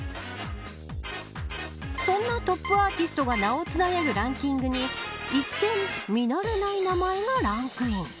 そんなトップアーティストが名を連ねるランキングに一見、見慣れない名前がランクイン。